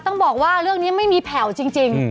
ต้องบอกว่าเรื่องนี้ไม่มีแผ่วจริง